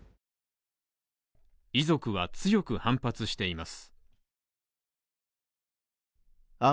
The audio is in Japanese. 遺族は強く反発しています。